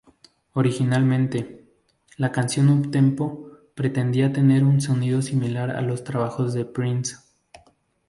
Originalmente, la canción uptempo pretendía tener un sonido similar a los trabajos de Prince.